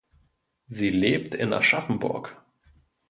Sie lebt in Aschaffenburg.